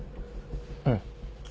うん。